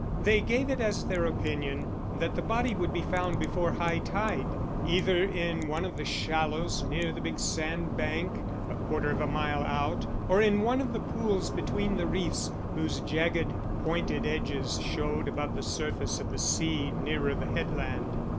They gave it as their opinion that the body would be found before high tide, either in one of the shallows near the big sand bank, a quarter of a mile out, or in one of the pools between the reefs whose jagged, pointed edges showed above the surface of the sea nearer the headland.